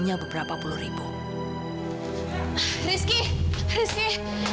hanya untuk menangin kamu sendiri